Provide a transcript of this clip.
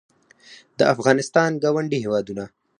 د افغانستان ګاونډي هېوادونه